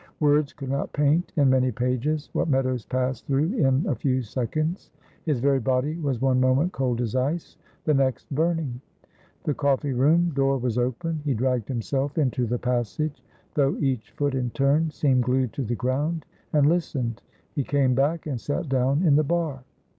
Words could not paint in many pages what Meadows passed through in a few seconds. His very body was one moment cold as ice, the next burning. The coffee room door was open he dragged himself into the passage, though each foot in turn seemed glued to the ground, and listened. He came back and sat down in the bar.